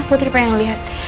putri pengen liat